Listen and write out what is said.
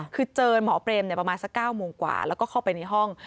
คือเจอหมอเปรมประมาณสัก๙โมงกว่าแล้วก็เข้าไปในห้อง